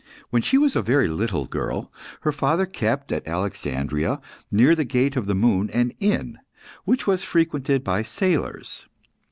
When she was a very little girl, her father kept, at Alexandria, near the Gate of the Moon, an inn, which was frequented by sailors.